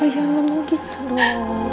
ayolah mau gitu dulu